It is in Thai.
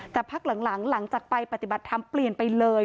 แต่พักหลังหลังจากไปปฏิบัติธรรมเปลี่ยนไปเลย